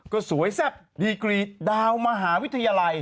ก็สวยแซ่บดีกรีดาวมหาวิทยาลัย